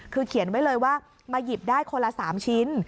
คือเขียนไว้เลยว่ามาหยิบได้คนละ๓ชิ้น